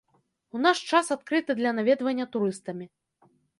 У наш час адкрыты для наведвання турыстамі.